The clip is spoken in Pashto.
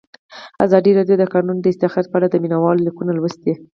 ازادي راډیو د د کانونو استخراج په اړه د مینه والو لیکونه لوستي.